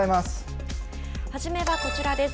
初めはこちらです。